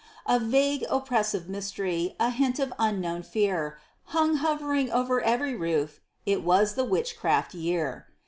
A vague, oppressive mystery, a hint of unknown fear, Hung hovering over every roof: it was the witchcraft year.